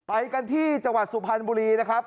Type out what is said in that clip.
ไปกันที่จังหวัดสุพรรณบุรีนะครับ